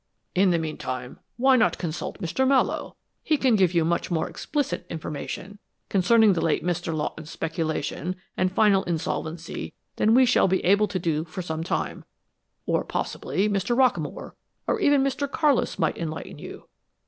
In the meantime, why not consult Mr. Mallowe? He can give you more explicit information concerning the late Mr. Lawton's speculation and final insolvency than we shall be able to do for some time; or possibly, Mr. Rockamore, or even Mr. Carlis might enlighten you.